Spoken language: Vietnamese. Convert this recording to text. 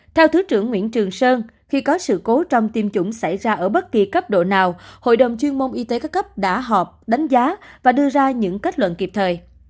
theo thứ trưởng nguyễn trường sơn khi có sự cố trong tiêm chủng xảy ra ở bất kỳ cấp độ nào hội đồng chuyên môn y tế các cấp đã họp đánh giá và đưa ra những kết luận kịp thời